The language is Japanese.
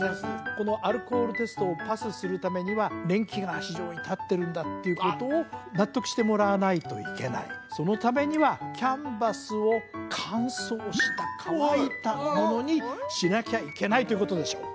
このアルコールテストをパスするためには年季が非常にたってるんだっていうことを納得してもらわないといけないそのためにはキャンバスを乾燥した乾いたものにしなきゃいけないということでしょう